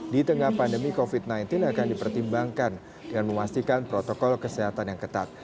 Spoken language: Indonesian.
di tengah pandemi covid sembilan belas akan dipertimbangkan dengan memastikan protokol kesehatan yang ketat